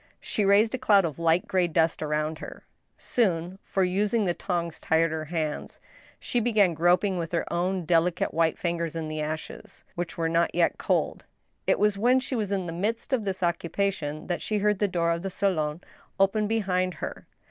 She raised a cloud of light gray dust around her. Soon (for using the tongs tired her hands) she began groping with her own delicate white fingers in the ashes, which were not yet cold. It was when she was in the midst of this occupation that she heard the door pf the salon open behind her.